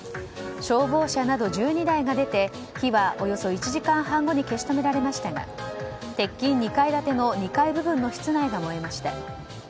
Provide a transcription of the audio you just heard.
消防車など１２台が出て火はおよそ１時間半後に消し止められましたが鉄筋２階建ての室内の部分が燃えました。